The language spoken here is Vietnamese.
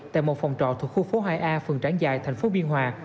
tại một phòng trọ thuộc khu phố hai a phường tráng giang thành phố biên hòa